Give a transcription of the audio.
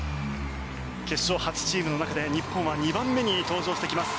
決勝８チームの中で日本は２番目に登場してきます。